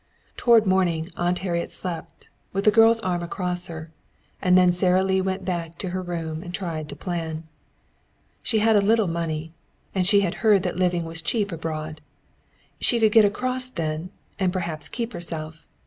Toward morning Aunt Harriet slept, with the girl's arm across her; and then Sara Lee went back to her room and tried to plan. She had a little money, and she had heard that living was cheap abroad. She could get across then, and perhaps keep herself.